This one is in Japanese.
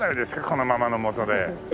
このままのもので。